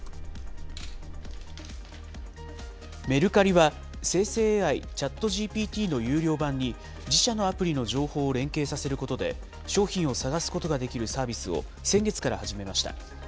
メルカリは、生成ＡＩ、ＣｈａｔＧＰＴの有料版に自社のアプリの情報を連携させることで、商品を探すことができるサービスを先月から始めました。